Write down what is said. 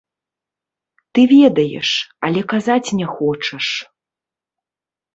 Ты ведаеш, але казаць не хочаш!